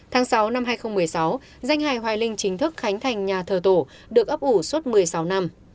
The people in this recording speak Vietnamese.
tháng sáu năm hai nghìn một mươi sáu danh hài hòa linh chính thức khánh thành nhà thờ tổ được ấp ủ suốt một mươi sáu năm